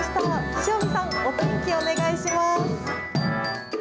塩見さん、お天気お願いします。